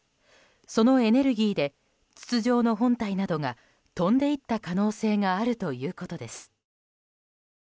そのエネルギーで筒状の本体などが飛んでいった可能性があるということです。